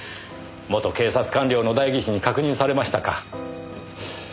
元警察官僚の代議士に確認されましたか。